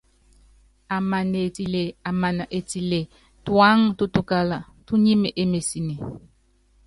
Amana etile tuáŋtutukála, túnyími émesine.